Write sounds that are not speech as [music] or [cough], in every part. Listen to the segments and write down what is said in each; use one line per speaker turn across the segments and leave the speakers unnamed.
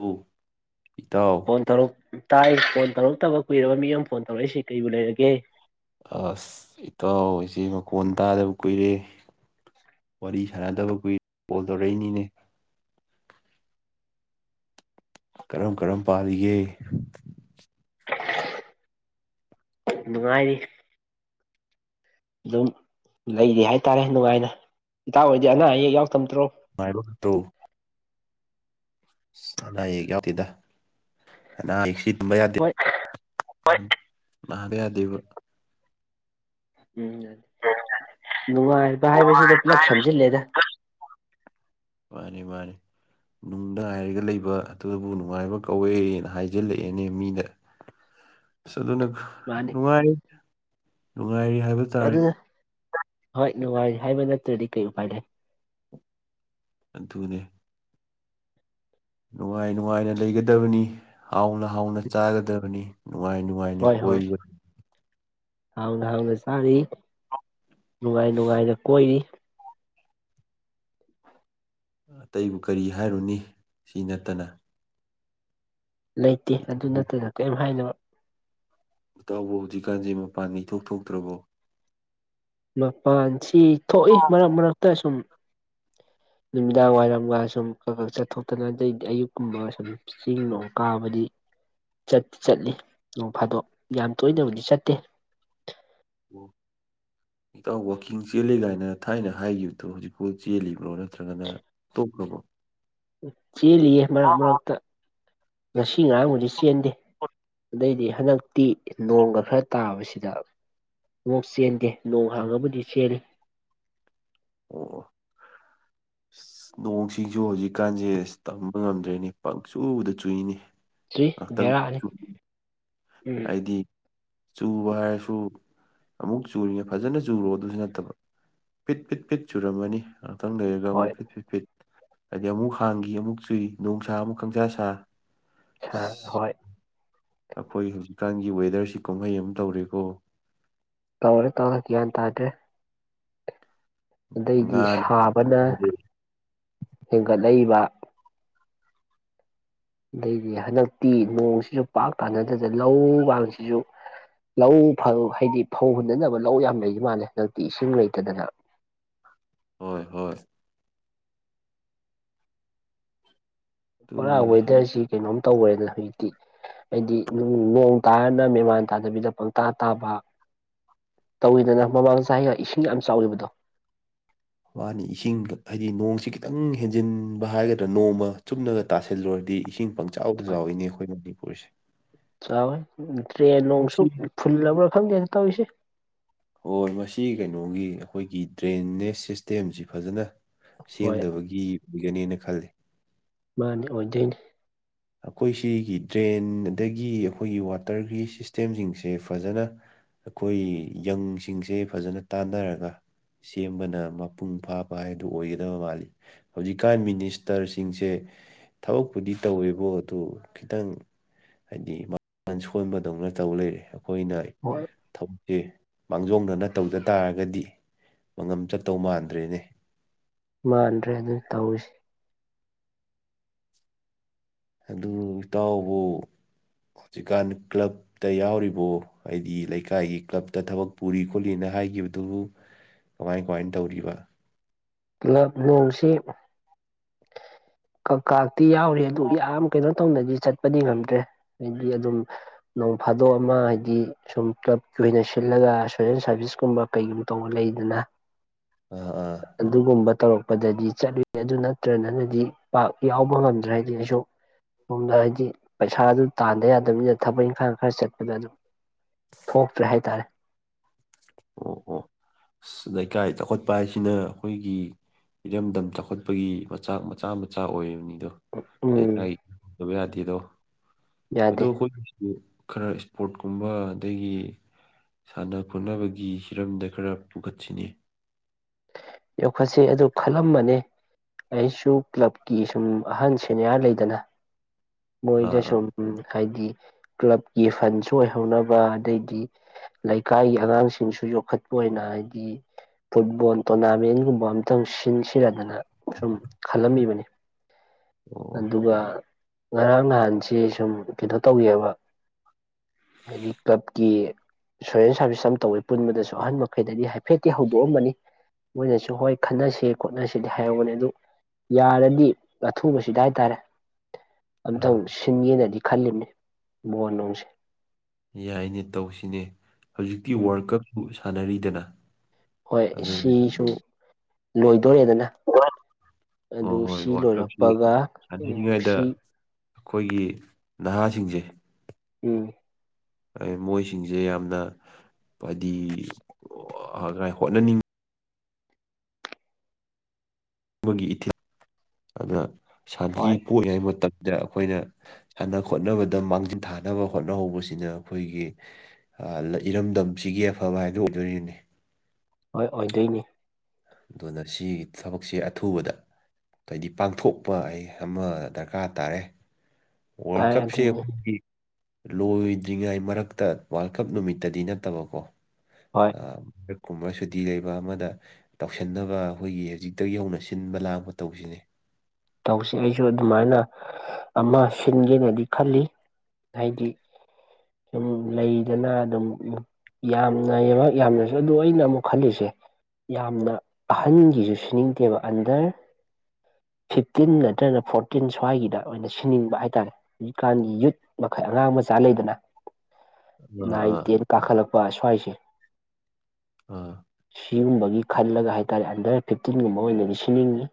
[unintelligible] ꯏꯇꯥꯎ꯫
ꯐꯣꯟ ꯇꯧꯔꯛ ꯇꯥꯏ ꯐꯣꯟ ꯇꯧꯔꯛꯇꯕ ꯀꯨꯏꯔꯕ ꯃꯤ ꯑꯃ ꯐꯣꯟ ꯇꯧꯔꯛꯏꯁꯤ ꯀꯔꯤꯕꯨ ꯂꯩꯔꯒꯦ꯫
ꯑꯁ ꯏꯇꯥꯎ ꯍꯣꯏꯖꯦ ꯃꯈꯣꯟ ꯇꯥꯗꯕ ꯀꯨꯏꯔꯦ꯫ ꯋꯥꯔꯤ ꯁꯥꯟꯅꯗꯕ ꯀꯨꯏ ꯐꯣꯟ ꯇꯧꯔꯛꯏꯅꯤꯅꯦ꯫ ꯀꯔꯝ ꯀꯔꯝ ꯄꯥꯜꯂꯤꯒꯦ꯫
ꯅꯨꯡꯉꯥꯏꯔꯤ ꯑꯗꯨꯝ ꯂꯩꯔꯤ ꯍꯥꯏꯇꯥꯔꯦ ꯅꯨꯡꯉꯥꯏꯅ ꯏꯇꯥꯎ ꯍ‌ꯣꯏꯗꯤ ꯑꯅꯥ ꯑꯌꯦꯛ ꯌꯥꯎꯗꯕ ꯅꯠꯇ꯭ꯔꯣ
ꯉꯥꯏꯕ‌ꯣ ꯇꯨ ꯑꯁ ꯑꯅꯥ ꯑꯌꯦꯛ ꯌꯥꯎꯗꯦꯗ ꯑꯅꯥ ꯑꯌꯦꯛ ꯁꯤ ꯇꯨꯝꯕ ꯌꯥꯗꯦ
ꯍꯣꯏ
ꯍ‌ꯣꯏ ꯅꯥꯕꯌꯥꯗ‌ꯦꯕ
ꯎꯝ ꯅꯨꯡꯉꯥꯏꯕ ꯍꯥꯏꯕꯁꯤꯗ ꯄꯨꯂꯞ ꯁꯝꯖꯤꯜꯂꯦꯗ
ꯃꯥꯅꯤ ꯃꯥꯅꯤ ꯅꯨꯡꯉꯥꯏꯔꯒ ꯂꯩꯕ ꯑꯗꯨꯕꯨ ꯅꯨꯡꯉꯥꯏꯕ ꯀꯧꯋꯦꯅ ꯍꯥꯏꯖꯤꯜꯂꯛꯑꯦꯅꯦ ꯃꯤꯅ
ꯍ
ꯑꯁ ꯑꯗꯨꯅ ꯅꯨꯡꯉꯥꯏ ꯅꯨꯡꯉꯥꯏꯔꯤ ꯍꯥꯏꯕ ꯇꯥꯔꯦ
ꯑꯗꯨꯅ ꯍꯣꯏ ꯅꯨꯡꯉꯥꯏꯔꯤ ꯍꯥꯏꯕ ꯅꯠꯇ꯭ꯔꯗꯤ ꯀꯩ ꯎꯄꯥꯏ ꯂꯩ
ꯑꯗꯨꯅꯦ ꯅꯨꯡꯉꯥꯏ ꯅꯨꯡꯉꯥꯏꯅ ꯂꯩꯒꯗꯕꯅꯤ ꯍꯥꯎꯅ ꯍꯥꯎꯅ ꯆꯥꯒꯗꯕꯅꯤ ꯅꯨꯡꯉꯥꯏꯅꯨꯡ
ꯍꯣꯏ ꯍꯣꯏ ꯍꯥꯎꯅ ꯍꯥꯎꯅ ꯆꯥꯔꯤ ꯅꯨꯡꯉꯥꯏ ꯅꯨꯡꯉꯥꯏꯅ ꯀꯣꯏꯔꯤ
ꯑꯇꯩꯕꯨ ꯀꯔꯤ ꯍꯥꯏꯔꯨꯅꯤ ꯁꯤ ꯅꯠꯇꯅ
ꯂꯩꯇꯦ ꯑꯗꯨ
ꯏꯇꯥꯎꯕꯨ
ꯅꯠꯇꯅ ꯀꯔꯤꯝ ꯍꯥꯏꯅꯕ
ꯏꯇꯥꯎꯕꯨ ꯍꯧꯖꯤꯛꯀꯥꯟꯁꯦ ꯃꯄꯥꯟꯒ ꯏꯊ‌ꯣꯛ ꯊꯣꯛꯇ꯭ꯔꯕꯣ
ꯃꯄꯥꯟꯁꯤ ꯊꯣꯛꯏ ꯃꯔꯛ ꯃꯔꯛꯇ ꯁꯨꯝ ꯅꯨꯃꯤꯗꯥꯡ ꯋꯥꯏꯔꯝꯒ ꯁꯨꯝ ꯈ ꯈ ꯆꯠꯊꯣꯛꯇꯅ ꯑꯗꯩꯗꯤ ꯑꯌꯨꯛ ꯀꯨꯝꯕ ꯁꯨꯝ ꯆꯤꯡ ꯅꯨꯡ ꯀꯥꯕꯗꯤ ꯆꯠꯇꯤ ꯆꯠꯂꯤ ꯅꯣꯡ ꯐꯥꯗꯣꯛ ꯌꯥꯝ ꯇꯣꯏꯅꯕꯨꯗꯤ ꯆꯠꯇꯦ
ꯎꯝ ꯏꯇꯥꯎ ꯋꯥꯛꯀꯤꯡ ꯆꯦꯜꯂꯤ ꯒꯥꯏꯅ ꯊꯥꯏꯅ ꯍꯥꯏꯈꯤꯕꯗꯣ ꯍꯧꯖꯤꯛꯐꯥꯎ ꯆꯦꯜꯂꯤꯕ꯭ꯔꯣ ꯅꯠꯇ꯭ꯔꯒꯅ ꯇ‌ꯣꯛꯈ꯭ꯔꯕ‌ꯣ
ꯆꯦꯜꯂꯤꯌꯦ ꯃꯔꯛ
ꯑꯁ
ꯃꯔꯛꯇ ꯉꯁꯤ ꯉꯔꯥꯡꯕꯨꯗꯤ ꯆꯦꯟꯗꯦ ꯑꯗꯩꯗꯤ ꯍꯟꯗꯛꯇꯤ ꯅꯣꯡꯒ ꯈꯔ ꯇꯥꯕꯁꯤꯗ ꯑꯃꯨꯛ ꯆꯦꯟꯗꯦ ꯅꯣꯡ ꯍꯥꯡꯉꯕꯨꯗꯤ ꯆꯦꯜꯂꯤ
ꯅꯣꯡꯁꯤꯡꯖꯨ ꯍꯧꯖꯤꯛꯀꯥꯟꯁꯦ ꯇꯝꯕ ꯉꯝꯗ꯭ꯔꯦꯅꯤ ꯄꯪ ꯆꯨꯗ ꯆꯨꯏꯅꯤ
ꯆꯨꯏ
ꯉꯥꯏꯍꯥꯛꯇꯪ
ꯚꯦꯔꯥ ꯅꯤ
ꯍꯥꯏꯗꯤ ꯆꯨꯕ ꯍꯥꯏꯔꯁꯨ ꯑꯃꯨꯛ ꯆꯨꯔꯤꯉꯩ ꯐꯖꯅ ꯆꯨꯔꯣ ꯑꯗꯨꯁꯨ ꯅꯠꯇꯕ ꯄꯤꯠ ꯄꯤꯠ ꯄꯤꯠ ꯆꯨꯔꯝꯃꯅꯤ ꯉꯥꯏꯍꯥꯛꯇꯪ ꯂꯩꯔꯒ
ꯍꯣꯏ
ꯑꯃꯨꯛ ꯐꯤꯠ ꯐꯤꯠ ꯐꯤꯠ ꯍꯥꯏꯗꯤ ꯑꯃꯨꯛ ꯍꯥꯡꯈꯤ ꯑꯃꯨꯛ ꯆꯨꯏ ꯅꯣꯡꯁꯥ ꯑꯃꯨꯛ ꯀꯪꯁꯥ ꯁꯥ
ꯍꯣꯏ
ꯑꯩꯈꯣꯏ ꯍꯧꯖꯤꯛꯀꯥꯟꯒꯤ ꯋꯦꯗꯔꯁꯤ ꯀꯨꯝꯍꯩ ꯑꯃ ꯇꯧꯔꯦꯀꯣ
ꯇꯧꯔꯦ ꯇꯧꯔ‌ꯦ ꯒ꯭ꯌꯥꯟ ꯇꯥꯗ꯭ꯔꯦ ꯑꯗꯩꯗꯤ
ꯉꯥꯅ
ꯁꯥꯕꯅ ꯍꯦꯟꯒꯠꯂꯛꯏꯕ ꯑꯗꯩꯗꯤ ꯍꯟꯗꯛꯇꯤ ꯅꯣꯡꯁꯤꯁꯨ ꯄꯥꯛ ꯍꯟꯗꯗꯅ ꯂꯧ ꯀꯥꯡꯁꯤꯁꯨ ꯂꯧ ꯐꯧ ꯍꯥꯏꯗꯤ ꯐꯧ ꯍꯨꯟꯅꯅꯕ ꯂꯧ ꯌꯥꯝ ꯂꯩꯈꯤ ꯃꯥꯜꯂꯦ ꯍꯟꯗꯛꯇꯤ ꯏꯁꯤꯡ ꯂꯩꯇꯗꯅ
ꯍꯣꯏ ꯍꯣꯏ
ꯄꯨꯔꯥ
ꯑꯗꯨꯅꯤꯅꯦ
ꯋꯦꯗꯔꯁꯤ ꯀꯩꯅꯣꯝ ꯇꯧꯒ꯭ꯔ‌ꯦꯗ ꯍꯧꯖꯤꯛꯇꯤ ꯍꯥꯏꯗꯤ ꯅꯣꯡ ꯇꯥꯔꯅ ꯃꯦꯃꯥꯟ ꯇꯥꯗꯕꯤꯗ ꯄꯪꯇꯥ ꯇꯥꯕ ꯇꯧꯋꯤꯗꯅ ꯃꯃꯥꯡ ꯆꯍꯤꯒ ꯏꯁꯤꯡ ꯌꯥꯝ ꯆꯥꯎꯒꯤꯕꯗꯣ
ꯃꯥꯅꯤ ꯏꯁꯤꯡ ꯍꯥꯏꯗꯤ ꯅꯣꯡꯁꯤ ꯈꯤꯇꯪ ꯍꯦꯟꯖꯤꯟꯕ ꯍꯥꯏꯒꯗ꯭ꯔꯥ ꯅꯣꯡꯃ ꯆꯨꯝꯅꯒ ꯇꯁꯤꯜꯂꯨꯔꯗꯤ ꯏꯁꯤꯡ ꯄꯪ ꯏꯆꯥꯎꯗ
ꯍꯣꯏ
ꯆꯥꯎꯏꯅꯦ ꯑꯩꯈꯣꯏ ꯃꯅꯤꯄꯨꯔꯁꯦ
ꯆꯥꯎꯋꯦ ꯗ꯭ꯔꯦꯟ ꯅꯣꯡꯁꯨ
ꯃꯁꯤ
ꯐꯨꯜꯂꯕ꯭ꯔꯥ ꯈꯪꯗꯦꯗ ꯇꯧꯔꯤꯁꯦ
ꯍꯣꯏ ꯃꯁꯤ ꯀꯩꯅꯣꯒꯤ ꯑꯩꯈꯣꯏꯒꯤ ꯗ꯭ꯔꯦꯟꯅ‌ꯦꯁ ꯁꯤꯁꯇꯦꯝꯁꯤ ꯐꯖꯅ
ꯍꯣꯏ
ꯁꯦꯝꯗꯕꯒꯤ ꯑꯣꯏꯒꯅꯦꯅ ꯈꯜꯂꯤ
ꯃꯥꯅꯤ ꯑꯣꯏꯗꯣꯏꯅꯤ
ꯑꯩꯈꯣꯏ ꯁꯤꯒꯤ ꯗ꯭ꯔꯦꯟ ꯑꯗꯒꯤ ꯑꯩꯈꯣꯏꯒꯤ ꯋꯥꯇꯔꯒꯤ ꯁꯤꯁꯇꯦꯝꯁꯤꯡꯁꯦ ꯐꯖꯅ ꯑꯩꯈꯣꯏ ꯌꯪꯁꯤꯡꯁꯦ ꯐꯖꯅ ꯇꯥꯟꯅꯔꯒ ꯁꯦꯝꯕꯅ ꯃꯄꯨꯡ ꯐꯥꯕ ꯍꯥꯏꯗꯨ ꯑꯣꯏꯒꯗꯕ ꯃꯥꯜꯂꯤ ꯍꯧꯖꯤꯛꯀꯥꯟ ꯃꯤꯅꯤꯁꯇꯔꯁꯤꯡꯁꯦ ꯊꯕꯛꯄꯨꯗꯤ ꯇꯧꯋꯦꯕ ꯐꯨꯠꯕꯣ ꯑꯗꯨꯨ ꯈꯤꯇꯪ ꯍꯥꯏꯗꯤ ꯃꯥꯟ ꯁꯣꯟꯕꯗꯧꯅ ꯇꯧ ꯂꯩꯦ ꯑꯩꯈꯣꯏꯅ
ꯍꯣꯏ
ꯊꯧꯛꯁꯤꯦ ꯃꯥꯡꯖꯧꯅꯅ ꯇꯧꯗ ꯇꯥꯔꯒꯗꯤ ꯃꯪꯉꯝ ꯆꯠꯇꯧ ꯃꯥꯟꯗ꯭ꯔꯦꯅꯦ
ꯃꯥꯟꯗ꯭ꯔꯦ ꯑꯗꯨꯅ ꯇꯧꯔꯤꯁꯦ
ꯑꯗꯨ ꯏꯇꯥꯎꯕꯨ ꯍꯧꯖꯤꯛꯀꯥꯟ ꯀ꯭ꯂꯕ ꯇ ꯌꯥꯎꯔꯤꯕꯣ ꯍꯥꯏꯗꯤ ꯂꯩꯀꯥꯏꯒꯤ ꯀ꯭ꯂꯞꯇ ꯊꯕꯛ ꯄꯨꯔꯤ ꯈꯣꯠꯂꯤꯅ ꯍꯥꯏꯈꯤꯕꯗꯨꯕꯨ ꯀꯃꯥꯏ ꯀꯃꯥꯏꯅ ꯇꯧꯔꯤꯕ
ꯄꯨꯂꯞ ꯅꯣꯡꯁꯤ ꯀ ꯀꯇꯤ ꯌꯥꯎꯔꯤ ꯑꯗꯨ ꯌꯥꯝ ꯀꯩꯅꯣ ꯇꯧꯅꯗꯤ ꯆꯠꯄꯗꯤ ꯉꯝꯗ꯭ꯔꯦ ꯍꯥꯏꯗꯤ ꯑꯗꯨꯝ ꯅꯣꯡ ꯐꯥꯗꯣꯛ ꯑꯃ ꯍꯥꯏꯗꯤ ꯁꯨꯝ ꯀ꯭ꯂꯕꯀꯤ ꯑꯣꯏꯅ ꯁꯤꯜꯂꯒ ꯁꯣꯁꯦꯜ ꯁꯥꯔꯚꯤꯁꯀꯨꯝꯕ ꯀꯩꯒꯨꯝꯕ ꯇꯧꯕ ꯂꯩꯗꯅ
ꯎ
ꯑꯗꯨꯒꯨꯝꯕ ꯇꯧꯔꯛꯄꯗꯗꯤ ꯆꯠꯂꯨꯏ ꯑꯗꯨ ꯅꯠꯇ꯭ꯔꯗꯅꯗꯤ ꯄꯥꯛ ꯌꯥꯎꯕ ꯉꯝꯗ꯭ꯔꯦ ꯍꯥꯏꯗꯤ ꯑꯩꯁꯨꯛ ꯁꯣꯝꯗ ꯍꯥꯏꯗꯤ ꯄꯩꯁꯥ ꯑꯗꯨ ꯇꯥꯟꯗ ꯌꯥꯗꯕꯅꯤꯅ ꯊꯕꯛ ꯏꯪꯈꯥꯡ ꯈꯔ ꯆꯠꯄꯗ ꯑꯗꯨꯝ ꯊꯣꯛꯇ꯭ꯔꯦ ꯍꯥꯏꯇꯥꯔꯦ
ꯑꯣ ꯑꯣ
[unintelligible]
ꯂꯩꯀꯥꯏ ꯆꯥꯎꯈꯠꯄ ꯍꯥꯏꯁꯤꯅ ꯑꯩꯈꯣꯏꯒꯤ ꯏꯔꯝꯗꯝ ꯆꯥꯎꯈꯠꯄꯒꯤ ꯃꯆꯥꯛ ꯃꯆꯥ ꯃꯆꯥ ꯑꯣꯏꯔꯤꯕꯅꯤꯗꯣ ꯑꯦ
ꯎꯝ
ꯀꯗꯕ ꯌꯥꯗꯦꯗꯣ ꯑꯗꯨ
ꯌꯥꯗꯦ
ꯑꯩꯈꯣꯏ ꯑꯗꯨ ꯈꯔ ꯏꯁꯄꯣꯔꯠ ꯀꯨꯝꯕ ꯑꯗꯒꯤ ꯁꯥꯟꯅ ꯈꯣꯠꯅꯕꯒꯤ ꯒꯤ ꯍꯤꯔꯝꯗ ꯈꯔ ꯄꯨꯈꯠꯁꯤꯅꯦ
ꯌꯣꯛꯈꯠꯁꯤ ꯑꯗꯨ ꯈꯜꯂꯝꯃꯅꯤ ꯑꯩꯁꯨ ꯀ꯭ꯂꯕꯀꯤ ꯁꯨꯝ ꯑꯍꯟ ꯁꯦꯅꯤꯌꯥꯔ ꯂꯩꯗꯅ
ꯑꯥ
ꯃꯣꯏꯗ
ꯑꯥ
ꯁꯨꯝ ꯎꯝ ꯍꯥꯏꯗꯤ ꯀ꯭ꯂꯕꯀꯤ ꯐꯟꯁꯨ ꯑꯣꯏꯍꯧꯅꯕ ꯑꯗꯩꯗꯤ ꯂꯩꯀꯥꯏꯒꯤ ꯑꯉꯥꯡꯁꯤꯡꯁꯨ ꯌꯣꯛꯈꯠꯄ ꯑꯣꯏꯅ ꯍꯥꯏꯗꯤ ꯐꯨꯠꯕꯣꯜ ꯇꯣꯔꯅꯥꯃꯦꯟꯒꯨꯝꯕ ꯑꯝꯇꯪ ꯁꯤꯟ ꯁꯤꯟꯅꯗꯅ ꯁꯨꯝ ꯈꯜꯂꯝꯃꯤꯕꯅꯤ
ꯑꯣ
ꯑꯗꯨꯒ ꯉꯔꯥꯡ ꯅꯍꯥꯟꯁꯤ ꯁꯨꯝ ꯀꯩꯅꯣ ꯇꯧꯋꯕ ꯍꯥꯏꯗꯤ ꯀꯞꯀꯤ ꯏꯟꯁꯨꯔꯦꯟꯁ ꯁꯥꯔꯚꯤꯁ ꯑꯃ ꯇꯧꯋꯤ ꯄꯨꯟꯕꯗꯁꯨ ꯑꯍꯟ ꯃꯈꯩꯗꯗꯤ ꯍꯥꯏꯐꯦꯠꯇꯤ ꯍꯧꯗꯣꯛꯑꯃꯅꯤ ꯃꯣꯏꯅꯁꯨ ꯍꯣꯏ ꯈꯟꯅꯁꯤ ꯈꯣꯠꯅꯁꯤꯗꯤ ꯍꯥꯏꯔꯨꯕꯅꯦ ꯑꯗꯨ ꯌꯥꯔꯗꯤ ꯁꯨꯕꯁꯤꯗ ꯍꯥꯏꯇꯥꯔꯦ
ꯑꯥ
ꯑꯝꯇꯪ ꯁꯤꯟꯒꯦꯅꯗꯤ ꯈꯜꯂꯤꯕꯅꯤ ꯃꯣꯟ ꯅꯨꯡꯁꯦ
ꯌꯥꯏꯅꯦ ꯇꯧꯁꯤꯅꯦ ꯍꯧꯖꯤꯛꯇꯤ
ꯎꯝ
ꯋꯥꯔꯜ ꯀꯞꯁꯨ ꯁꯥꯟꯅꯔꯤꯗꯅ
ꯍꯣꯏ
ꯑꯗꯨ
ꯁꯤꯁꯨ ꯂꯣꯏꯗꯣꯔꯦꯗꯅ
ꯑꯣ
ꯑꯗꯨ
ꯍꯣꯏ
ꯁꯤ
ꯋꯥꯔꯜꯗ ꯀꯞꯁꯤ
ꯂꯣꯏꯔꯛꯄꯒ ꯎꯝ
ꯁꯥꯟꯅꯔꯤꯉꯩꯗ
ꯁꯤ
ꯑꯩꯈꯣꯏꯒꯤ ꯅꯍꯥꯁꯤꯡꯁꯦ
ꯎꯝ
ꯃꯣꯏꯁꯤꯡꯁꯦ ꯌꯥꯝꯅ ꯍꯥꯏꯗꯤ ꯍꯣꯠꯅꯅꯤꯡ ꯒꯤ ꯏꯊꯤ ꯑꯗꯨꯅ ꯁꯥꯟꯇꯤ
ꯍꯣꯏ
ꯄꯣ ꯍꯥꯏ ꯃꯇꯝ ꯗ ꯑꯩꯈꯣꯏꯅ ꯁꯥꯟꯅ ꯈꯣꯠꯅꯕꯗ ꯃꯥꯡꯖꯤꯟ ꯊꯥꯅꯕ ꯍꯣꯠꯅꯍꯧꯕꯁꯤꯅ ꯑꯩꯈꯣꯏꯒꯤ ꯏꯔꯝꯗꯝꯁꯤꯒꯤ ꯑꯐꯕ ꯍꯥꯏꯗꯣ ꯑꯣꯏꯗꯣꯏꯔꯤꯅꯤ
ꯍꯣꯏ ꯑꯣꯏꯗꯣꯏꯅꯤ
ꯑꯗꯨꯅ ꯁꯤꯒꯤ ꯊꯕꯛꯁꯦ ꯑꯊꯨꯕꯗ ꯍꯥꯏꯩꯗꯤ ꯄꯥꯡꯊꯣꯛꯄ ꯑꯩ ꯑꯃ ꯗꯔꯀꯥꯔ ꯇꯥꯔꯦ ꯋꯥꯔꯜ
ꯚꯥꯏ
ꯀꯞꯦ
ꯑꯗꯨꯅꯤ
ꯂꯣꯏꯗ꯭ꯔꯤꯉꯥꯏ ꯃꯔꯛꯇ ꯋꯥꯔꯜ ꯀꯞ ꯅꯨꯃꯤꯠꯇꯗꯤ ꯅꯠꯇꯕꯀꯣ
ꯍꯣꯏ
ꯀꯨꯝꯕ ꯁꯨꯇꯤ ꯂꯩꯕ ꯑꯃꯗ ꯇꯧꯁꯤꯟꯅꯕ ꯑꯩꯈꯣꯏꯒꯤ ꯍꯧꯖꯤꯛꯇꯒꯤ ꯍꯧꯅ ꯁꯤꯟꯕ ꯂꯥꯡꯄ ꯇꯧꯁꯤꯅꯦ
ꯇꯧꯁꯦ ꯑꯩꯁꯨ ꯑꯗꯨꯃꯥꯏꯅ ꯑꯃ ꯁꯤꯟꯒꯦꯅꯗꯤ ꯈꯜꯂꯤ ꯍꯥꯏꯗꯤ ꯁꯨꯝ ꯂꯩꯗꯅ ꯑꯗꯨꯝ ꯌꯥꯝꯅ ꯌꯥꯝꯅꯁꯨ ꯑꯗꯨ ꯑꯩꯅ ꯑꯃꯨꯛ ꯈꯜꯂꯤꯁꯦ ꯌꯥꯝꯅ ꯑꯍꯟꯒꯤꯁꯨ ꯁꯤꯅꯤꯡꯗꯦꯕ ꯑꯟꯗꯔ ꯐꯤꯐꯇꯤꯟ ꯅꯠꯇ꯭ꯔꯒꯅ ꯐꯣꯔꯇꯤꯟ ꯁ꯭ꯋꯥꯏꯒꯤꯗ ꯑꯣꯏꯅ ꯁꯤꯅꯤꯡꯕ ꯍꯥꯏꯇꯥꯔꯦ ꯍꯧꯖꯤꯛꯀꯥꯟꯒꯤ ꯌꯨꯠ ꯃꯈꯩ ꯑꯉꯥꯡ ꯃꯆꯥ ꯂꯩꯗꯅ
ꯑꯥ
ꯅꯏꯟ
ꯑꯥ
ꯇꯦꯟ ꯄꯥꯈꯂ ꯄ ꯁꯋꯥ ꯍꯥꯏꯁꯦ
ꯑꯣꯥ
ꯁꯤꯒꯨꯝꯕꯒꯤ ꯈꯜꯂꯒ ꯍꯥꯏꯇꯥꯔꯦ ꯑꯟꯗꯔ ꯐꯤꯞꯇꯤꯟꯒꯨꯝꯕ ꯑꯣꯏꯅꯗꯤ ꯁꯤꯅꯤꯡꯉꯤ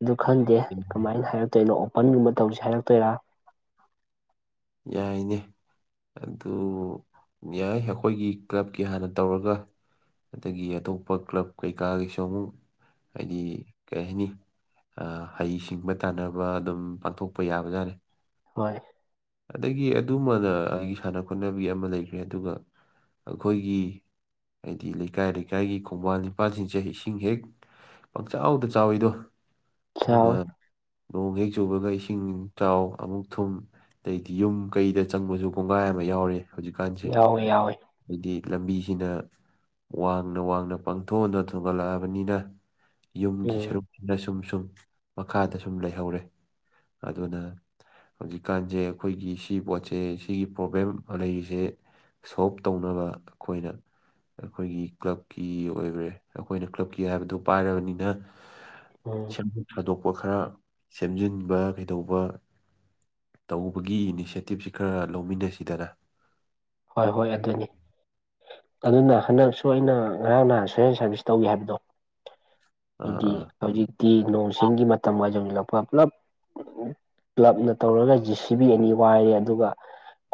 ꯑꯗꯨ ꯈꯟꯗꯦ ꯀꯃꯥꯏꯅ ꯍꯥꯏꯔꯛꯇꯣꯏꯅꯣ ꯑꯣꯄꯟꯒꯨꯝꯕ ꯇꯧꯁꯤꯦ ꯍꯥꯏꯔꯛꯇꯣꯏꯔꯥ
ꯌꯥꯏꯅꯦ ꯑꯗꯨ ꯌꯥꯏ ꯑꯩꯈꯣꯏꯒꯤ ꯀ꯭ꯂꯕꯀꯤ ꯍꯥꯟꯅ ꯇꯧꯔꯒ ꯑꯗꯒꯤ ꯑꯇꯣꯞꯄ ꯀ꯭ꯂꯕ ꯀꯩꯀꯥꯒꯤꯁꯨ ꯑꯃꯨꯛ ꯍꯥꯏꯗꯤ ꯀꯩ ꯍꯥꯏꯅꯤ ꯍꯩ ꯁꯤꯡꯕ ꯇꯥꯟꯅꯕ ꯑꯗꯨꯝ ꯄꯥꯡꯊꯣꯛꯄ ꯌꯥꯕ ꯌꯥꯥꯔꯦ
ꯍꯣꯏ
ꯑꯗꯒꯤ ꯑꯗꯨꯃꯅ ꯑꯩꯒꯤ ꯁꯥꯟꯅ ꯈꯣꯠꯅꯕꯤ ꯑꯃ ꯂꯩꯈ꯭ꯔꯦ ꯑꯗꯨꯒ ꯑꯩꯈꯣꯏꯒꯤ ꯍꯥꯏꯗꯤ ꯂꯩꯀꯥꯏ ꯂꯩꯀꯥꯏꯒꯤ ꯈꯣꯡꯕꯥꯟ ꯄꯥꯜꯁꯤꯡꯁꯦ ꯏꯁꯤꯡ ꯍꯦꯛ ꯄꯥꯛꯆ ꯆꯥꯎꯗ ꯆꯥꯎꯋꯤꯗꯣ ꯑꯗꯨꯅ
ꯌꯥꯎꯋꯦ
ꯅꯣꯡ ꯍꯦꯛ ꯆꯨꯕꯒ ꯏꯁꯤꯡ ꯆꯥꯎ ꯑꯃꯨꯛ ꯊꯨꯝ ꯑꯗꯩꯗꯤ ꯌꯨꯝ ꯀꯩꯗ ꯆꯪꯕꯁꯨ ꯀꯣꯡꯒꯥꯏ ꯑꯃ ꯌꯥꯎꯔꯤ ꯍꯧꯖꯤꯛꯀꯥꯟꯁꯦ
ꯌꯥꯎꯋꯦ ꯌꯥꯎꯋꯦ
ꯍꯥꯏꯗꯤ ꯂꯝꯕꯤꯁꯤꯅ ꯋꯥꯡꯅ ꯋꯥꯡꯅ ꯄꯥꯡꯊꯣꯛꯑꯅ ꯊꯨꯡꯒꯠꯂꯛꯑꯕꯅꯤꯅ ꯌꯨꯝꯒꯤ
ꯎꯝ
ꯁꯔꯨꯛꯁꯤꯗ ꯁꯨꯝ ꯁꯨꯝ ꯃꯈꯥꯗ ꯁꯨꯝ ꯂꯩꯍꯧꯔꯦ ꯑꯗꯨꯅ ꯍꯧꯖꯤꯛꯀꯥꯟꯁꯦ ꯑꯩꯈꯣꯏꯒꯤ ꯁꯤ ꯄꯣꯠꯁꯦ ꯁꯤꯒꯤ ꯄ꯭ꯔꯣꯕ꯭ꯂꯦꯝ ꯂꯩꯔꯤꯁꯦ ꯁꯣꯜꯞ ꯇꯧꯅꯕ ꯑꯩꯈꯣꯏꯅ ꯑꯩꯈꯣꯏꯒꯤ ꯀ꯭ꯂꯕꯀꯤ ꯑꯣꯏꯈ꯭ꯔꯦ ꯑꯩꯈꯣꯏꯅ ꯀ꯭ꯂꯕꯀꯤ ꯍꯥꯏꯕꯗꯨ ꯄꯥꯏꯔꯕꯅꯤꯅ
ꯎꯝ
ꯁꯦꯝꯗꯣꯛ ꯁꯥꯗꯣꯛꯄ ꯈꯔ ꯁꯦꯝꯖꯤꯟꯕ ꯀꯩꯗꯧꯕ ꯇꯧ ꯒꯤ ꯏꯅꯤꯁꯦꯇꯤꯞꯁꯤ ꯈꯔ ꯂꯧꯃꯤꯟꯅꯁꯤꯗꯅ
ꯍꯣꯏ ꯍꯣꯏ ꯑꯗꯨꯅꯤ ꯑꯗꯨꯅ ꯍꯟꯗꯛꯁꯨ ꯑꯩꯅ ꯉꯔꯥꯡ ꯅꯍ ꯁꯨꯦꯟ ꯁꯥꯔꯚꯤꯁ ꯇꯧꯏ ꯍꯥꯏꯕꯗꯣ
ꯑꯥ
ꯍꯥꯏꯗꯤ
ꯑꯥ
ꯍꯧꯖꯤꯛꯇꯤ ꯅꯣꯡ ꯆꯤꯡꯒꯤ ꯃꯇꯝ ꯑꯣꯏꯅ ꯌꯧꯁꯤꯜꯂꯛꯄ ꯄꯨꯂꯞ ꯀ꯭ꯂꯕꯅ ꯇꯧꯔꯒ ꯖꯤ ꯁꯤ ꯕꯤ ꯑꯅꯤ ꯋꯥꯏꯔꯦ ꯑꯗꯨꯒ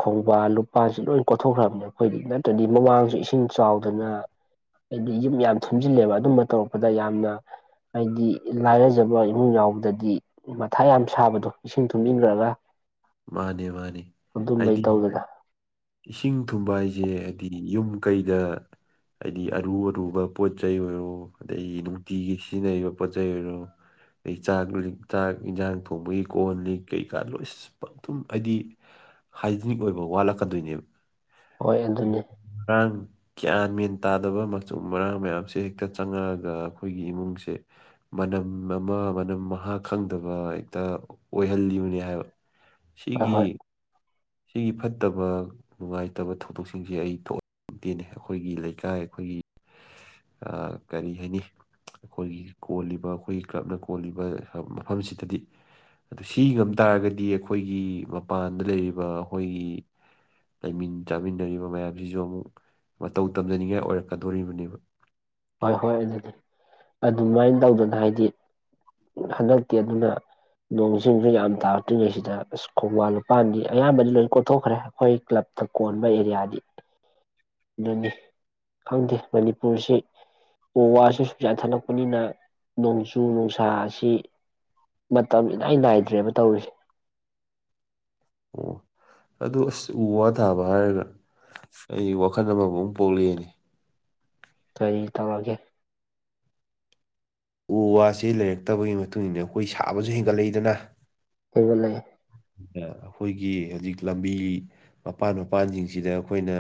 ꯈꯣꯡꯕꯥꯟ ꯂꯨꯄꯥꯁꯤ ꯂꯣꯏ ꯀꯣꯊꯣꯛꯈ꯭ꯔꯕꯅꯤ ꯑꯩꯈꯣꯏꯗꯤ ꯅꯠꯇ꯭ꯔꯗꯤ ꯃꯃꯥꯡꯁꯨ ꯏꯁꯤꯡ ꯆꯥꯎꯗꯅ ꯍꯥꯏꯗꯤ ꯌꯨꯝ ꯌꯥꯝ ꯊꯨꯝꯖꯤꯜꯂꯦꯕ ꯑꯗꯨꯝꯕ ꯇꯧꯔꯛꯄꯗ ꯌꯥꯝꯅ ꯍꯥꯏꯗꯤ ꯂꯥꯏꯔꯖꯕ ꯏꯃꯨꯡ ꯌꯥꯎꯕꯗꯗꯤ ꯃꯊꯥ ꯌꯥꯝ ꯁꯥꯕꯗꯣ ꯏꯁꯤꯡ ꯊꯨꯝ ꯏꯟꯈ꯭ꯔꯒ
ꯃꯥꯅꯦ ꯃꯥꯅꯦ ꯍꯥꯏꯗꯤ
ꯇꯧꯗꯅ
ꯏꯁꯤꯡ ꯊꯨꯝꯕ ꯍꯥꯏꯁꯦ ꯍꯥꯏꯕꯗꯤ ꯌꯨꯝ ꯀꯩꯗ ꯍꯥꯏꯗꯤ ꯑꯔꯨ ꯑꯔꯨꯕ ꯄꯣꯠ ꯆꯩꯩ ꯑꯣꯏꯔꯣ ꯑꯗꯗꯒꯤ ꯅꯨꯡꯇꯤꯒꯤ ꯁꯤꯖꯤꯟꯅꯔꯤꯕ ꯄꯣꯠ ꯆꯩꯩ ꯑꯣꯏꯔꯣ ꯑꯩꯩ ꯆꯥꯛ ꯆꯥꯛ ꯌꯦꯟꯖꯥꯡ ꯊꯣꯡꯕꯒꯤ ꯀꯣꯟꯍꯜꯂꯤꯛ ꯀꯩꯀꯥ ꯂꯣꯏ ꯄꯊꯨꯝ ꯍꯥꯏꯗꯤ ꯍꯥꯏꯖꯤꯅꯤꯛ ꯑꯣꯏꯕ ꯋꯥꯠꯂꯛꯀꯗꯣꯏꯅꯦꯕ
ꯍꯣꯏ ꯑꯗꯨꯅꯤ
ꯑꯥꯡ ꯒ꯭ꯌꯥꯟ ꯃꯦꯟ ꯇꯥꯗꯕ ꯃꯆꯨ ꯃꯔꯥꯡ ꯃꯌꯥꯝꯁꯦ ꯍꯦꯛꯇ ꯆꯪꯉꯛꯑꯒ ꯑꯩꯈꯣꯏꯒꯤ ꯏꯃꯨꯡꯁꯦ ꯃꯅꯝ ꯑꯃ ꯃꯅꯝ ꯃꯍꯥ ꯈꯪꯗꯕ ꯍꯦꯛꯇ ꯑꯣꯏꯍꯜꯂꯤꯕꯅꯤ ꯍꯥꯏꯕ
ꯍꯣꯏ
ꯁꯤꯒꯤ
ꯍꯣꯏ
ꯁꯤꯒꯤ ꯐꯠꯇꯕ ꯅꯨꯡꯉꯥꯏꯇꯕ ꯊꯧꯗꯣꯛꯁꯤꯡꯁꯦ ꯑꯩ ꯊꯣꯛꯑꯦ ꯇꯦꯅꯦ ꯑꯩꯈꯣꯏꯒꯤ ꯂꯩꯀꯥꯏ ꯑꯩꯈꯣꯏꯒꯤ ꯀꯔꯤ ꯍꯥꯏꯅꯤ ꯑꯩꯈꯣꯏꯒꯤ ꯀꯣꯜꯂꯤꯕ ꯑꯩꯈꯣꯏꯒꯤ ꯀ꯭ꯂꯕꯅ ꯀꯣꯜꯂꯤꯕ ꯃꯐꯝꯁꯤꯗꯗꯤ ꯑꯗꯨ ꯁꯤ ꯉꯝ ꯇꯥꯔꯒꯗꯤ ꯑꯩꯈꯣꯏꯒꯤ ꯃꯄꯥꯟꯗ ꯂꯩꯔꯤꯕ ꯑꯩꯈꯣꯏꯒꯤ ꯂꯩꯃꯤꯟ ꯆꯥꯃꯤꯟꯅꯔꯤꯕ ꯃꯌꯥꯝꯁꯤꯁꯨ ꯑꯃꯨꯛ ꯃꯇꯧ ꯇꯝꯖꯅꯤꯡꯉꯥꯏ ꯑꯣꯏꯔꯛꯀꯗꯣꯔꯤꯕꯅꯦꯕ
ꯍꯣꯏ ꯍꯣꯏ ꯑꯗꯨꯗꯤ ꯑꯗꯨꯃꯥꯏꯅ ꯇꯧꯗꯅ ꯍꯥꯏꯗꯤ ꯍꯟꯗꯛꯇꯤ ꯑꯗꯨꯅ ꯅꯣꯡ ꯆꯤꯡꯁꯨ ꯌꯥꯝ ꯇꯥꯔꯛꯇ꯭ꯔꯤꯉꯩꯁꯤꯗ ꯑꯁ ꯈꯣꯡꯕꯥꯟ ꯂꯨꯄꯥꯟꯗꯤ ꯑꯌꯥꯝꯕꯗꯤ ꯂꯣꯏ ꯀꯣꯊꯣꯛꯈ꯭ꯔꯦ ꯑꯩꯈꯣꯏ ꯀ꯭ꯂꯕ ꯇꯀꯣꯟꯕ ꯑꯦꯔꯤꯌꯥꯗꯤ ꯑꯗꯨꯅꯤ ꯈꯪꯗꯦ ꯃꯅꯤꯄꯨꯔꯁꯤ ꯎ ꯋꯥꯁꯤ ꯁꯨꯡꯖꯥ ꯊꯠꯂꯛꯄꯅꯤꯅ ꯅꯣꯡꯖꯨ ꯅꯨꯡꯁꯥ ꯑꯁꯤ ꯃꯇꯝ ꯏꯂꯥꯏ ꯅꯥꯏꯗ꯭ꯔꯦꯕ ꯇꯧꯔꯤꯁꯦ
ꯑꯗ ꯑꯁ ꯎ ꯋꯥ ꯊꯥꯕ ꯍꯥꯏꯔꯒ ꯑꯩ ꯋꯥꯈꯜ ꯑꯃꯕꯨꯛ ꯄꯣꯛꯂꯛꯑꯦꯅꯤ
ꯀꯔꯤ ꯇꯧꯔꯒꯦ
ꯎ ꯋꯥꯁꯤ ꯂꯩꯔꯛꯇꯕꯒꯤ ꯃꯇꯨꯡ ꯏꯟꯅ ꯑꯩꯈꯣꯏ ꯁꯥꯕꯁꯨ ꯍꯦꯟꯒꯠꯂꯛꯏꯗꯅ
ꯑꯩꯕꯨꯦ
ꯑꯩꯈꯣꯏꯒꯤ ꯍꯧꯖꯤꯛ ꯂꯝꯕꯤ ꯃꯄꯥꯟ ꯃꯄꯥꯟꯁꯤꯡꯁꯤꯗ ꯑꯩꯈꯣꯏꯅ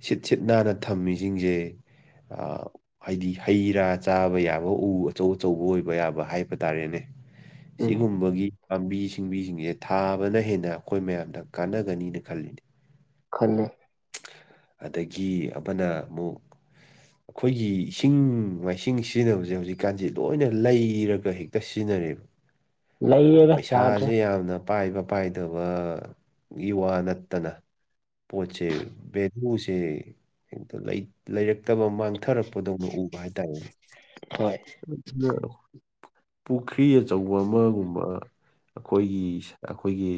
ꯁꯤꯠ ꯁꯤꯠ ꯅꯥꯟꯅ ꯊꯝꯃꯤꯁꯤꯡꯁꯦ ꯑ ꯍꯥꯏꯗꯤ ꯍꯩ ꯔꯥ ꯆꯥꯕ ꯌꯥꯕ ꯎ ꯑꯆꯧ ꯑꯆꯧꯕ ꯑꯣꯏꯕ ꯌꯥꯕ ꯍꯥꯏꯕ ꯇꯥꯔꯦꯅꯦ
ꯎꯝ
ꯁꯤꯒꯨꯝꯕꯒꯤ ꯄꯥꯝꯕꯤ ꯁꯤꯡꯕꯤꯁꯤꯡꯁꯦ ꯊꯥꯕꯅ ꯍꯦꯟꯅ ꯑꯩꯈꯣꯏ ꯃꯌꯥꯝꯗ ꯀꯥꯟꯅꯒꯅꯤꯅ ꯈꯜꯂꯤꯅꯦ
ꯈꯜꯜꯂꯤꯦ
ꯑꯗꯒꯤ ꯑꯃꯅ ꯑꯃꯨꯛ ꯑꯩꯈꯣꯏꯒꯤ ꯏꯁꯤꯡ ꯃꯥꯏꯁꯤꯡ ꯁꯤꯖꯤꯟꯅꯕꯁꯦ ꯍꯧꯖꯤꯛ ꯍꯧꯖꯤ ꯀꯥꯟꯁꯤꯦ ꯂꯣꯏꯅ ꯂꯩꯔꯒ ꯍꯦꯛꯇ ꯁꯤꯖꯤꯟꯅꯔꯦꯕ ꯍꯥꯏꯗꯤ
ꯂꯩꯔꯦꯗ ꯌꯥꯗ꯭ꯔꯦ
ꯄꯩꯁꯥꯁꯦ ꯌꯥꯝꯅ ꯄꯥꯏꯕ ꯄꯥꯏꯗꯕ ꯌꯨꯋꯥ ꯅꯠꯇꯅ ꯄꯣꯠꯆꯦ ꯦꯗꯁꯦ ꯍꯇ ꯂꯩꯔꯛꯇꯕ ꯃꯥꯡꯊꯔꯛꯄꯗꯧꯅ ꯎꯕ ꯍꯥꯏꯇꯥꯔꯦꯅꯦ
ꯍꯣꯏ
ꯅ ꯄꯨꯈ꯭ꯔꯤ ꯑꯆꯧꯕ ꯑꯃꯒꯨꯝꯕ ꯑꯩꯈꯣꯏꯒꯤ ꯑꯩꯈꯣꯏꯒꯤ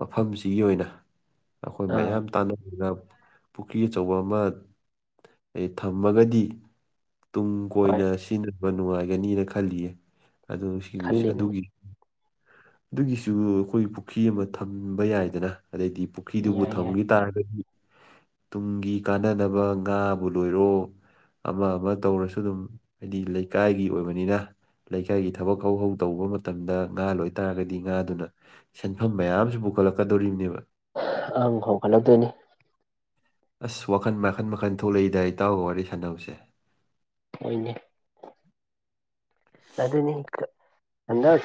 ꯃꯐꯝꯁꯤꯒꯤ ꯑꯣꯏꯅ ꯑꯩꯈꯣꯏ
ꯑꯥ
ꯃꯌꯥꯝ ꯇꯥꯟꯅꯔꯒ ꯄꯨꯈ꯭ꯔꯤ ꯑꯆꯧꯕ ꯑꯃ ꯑꯩ ꯊꯝꯃꯒꯗꯤ ꯇꯨꯡ
ꯍꯣꯏ
ꯀꯣꯏꯅ ꯁꯤꯖꯤꯟꯅꯕ ꯅꯨꯡꯉꯥꯏꯒꯅꯤꯅ ꯈꯜꯂꯤꯌꯦ ꯑꯗꯨ
ꯈꯜꯂꯤꯕꯅꯤ
ꯑꯗꯨꯒꯤ ꯑꯗꯨꯒꯤꯁꯨ ꯑꯩꯈꯣꯏ ꯄꯨꯈ꯭ꯔꯤ ꯑꯃ ꯊꯝꯕ ꯌꯥꯏꯗꯅ ꯑꯗꯩꯗꯤ ꯄꯨꯈ꯭ꯔꯤꯗꯨꯕꯨ
ꯌꯥꯏ ꯌꯥꯏ
ꯊꯝꯈꯤ ꯇꯥꯔꯒꯗꯤ ꯇꯨꯡꯒꯤ ꯀꯥꯟꯅꯗꯅꯕ ꯉꯥꯕꯨ ꯂꯣꯏꯔꯣ ꯑꯃ ꯑꯃ ꯇꯧꯔꯁꯨ ꯑꯗꯨꯝ ꯍꯥꯏꯗꯤ ꯂꯩꯀꯥꯏꯒꯤ ꯑꯣꯏꯕꯅꯤꯅ ꯂꯩꯀꯥꯏꯒꯤ ꯊꯕꯛ ꯍꯧ ꯍꯧ ꯇꯧꯕ ꯃꯇꯝꯗ ꯉꯥ ꯂꯣꯏꯇꯥꯥꯔꯒꯗꯤ ꯉꯥꯗꯨꯅ ꯁꯦꯟꯐꯝ ꯃꯌꯥꯝꯁꯨ ꯄꯨꯈꯠꯂꯛꯀꯗꯧꯔꯤꯕꯅꯦꯕ
ꯑꯪ ꯍꯧꯣꯡꯒꯠꯍꯧꯗꯣꯏꯅꯤ
ꯑꯁ ꯋꯥꯈꯟ ꯃꯈꯟ ꯃꯈꯟ ꯊꯣꯛꯂꯛꯏꯗꯥꯏ ꯏꯇꯥꯎꯒ ꯋꯥꯔꯤ ꯁꯥꯟꯅꯕꯁꯦ
ꯑꯣꯏꯅꯦ ꯑꯗꯅꯤ ꯀ ꯑꯦ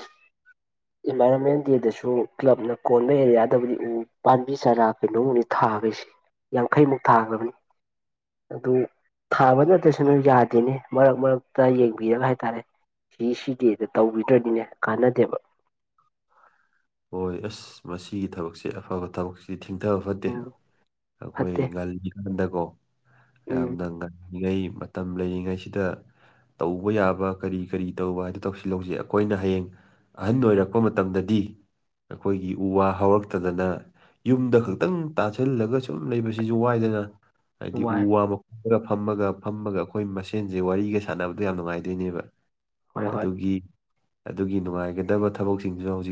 ꯏꯟꯚꯥꯏꯔꯣꯟꯃꯦꯟ ꯗꯦꯗꯁꯨ ꯀ꯭ꯂꯕꯅ ꯀꯣꯟꯕ ꯑꯦꯔꯤꯌꯥꯗꯕꯨꯗꯤ ꯎ ꯄꯥꯝꯕꯤ ꯆꯥꯔꯥ ꯀꯩꯅꯣꯅꯤ ꯊꯥꯈꯩꯁꯦ ꯌꯥꯡꯈꯩꯃꯨꯛ ꯊꯥꯈ꯭ꯔꯕꯅꯤ ꯑꯗꯨ ꯊꯥꯕ ꯅꯠꯇ꯭ꯔꯁꯨꯅ ꯌꯥꯗꯦꯅꯦ ꯃꯔꯛ ꯃꯔꯛꯇ ꯌꯦꯡꯕꯤꯔꯒ ꯍꯥꯏꯇꯥꯔꯦ ꯁꯤ ꯁꯤꯒꯗ ꯇꯧꯕꯤꯗ꯭ꯔꯅꯤꯅꯦ ꯀꯥꯟꯅꯗꯦꯕ
ꯍꯣꯏ ꯑꯁ ꯃꯁꯤꯒꯤ ꯊꯕꯛꯁꯦ ꯑꯐꯕ ꯊꯕꯛꯁꯦ ꯗꯤ ꯊꯤꯡꯊꯕ ꯐꯠꯇꯦ
ꯎꯝ
ꯑꯩꯈꯣꯏ
ꯐꯠꯇꯦ
ꯉꯜꯂꯤꯀꯥꯟꯗꯀꯣ
ꯎꯝ
ꯌꯥꯝꯅ ꯉꯩ ꯃꯇꯝ ꯂꯩꯔꯤꯉꯩꯁꯤꯗ ꯇꯧꯕ ꯌꯥꯕ ꯀꯔꯤ ꯀꯔꯤ ꯇꯧꯕ ꯍꯥꯏꯗꯣ ꯇꯧꯁꯤꯜ ꯂꯧꯁꯤꯛ ꯑꯩꯈꯣꯏꯅ ꯍꯌꯦꯡ ꯑꯍꯟ ꯑꯣꯏꯔꯛꯄ ꯃꯇꯝꯗꯗꯤ ꯑꯩꯈꯣꯏꯒꯤ ꯎ ꯋꯥ ꯍꯧꯔꯛꯇꯗꯅ ꯌꯨꯝꯗ ꯈꯛꯇꯪ ꯇꯥꯁꯤꯜꯂꯒ ꯁꯨꯝ ꯂꯩꯕꯁꯤꯁꯨ ꯋꯥꯏꯗꯅ ꯍꯥꯏꯗꯤ ꯎ
ꯋꯥꯏ
ꯋꯥꯃ ꯄꯨꯔ ꯐꯝꯃꯒ ꯐꯝꯃꯒ ꯑꯩꯈꯣꯏ ꯃꯁꯦꯟꯁꯦ ꯋꯥꯔꯤꯒ ꯁꯥꯟꯅꯕꯗꯣ ꯌꯥꯝ ꯅꯨꯡꯉꯥꯏꯗꯣꯏꯅꯦꯕ
ꯍꯣꯏ ꯍꯣꯏ
ꯑꯗꯨꯒꯤ ꯑꯗꯨꯒꯤ ꯅꯨꯡꯉꯥꯏꯒꯗꯕ ꯊꯕꯛꯁꯤꯡꯁꯨ ꯍꯧꯖꯤꯛ